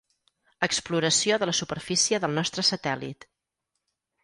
Exploració de la superfície del nostre satèl·lit.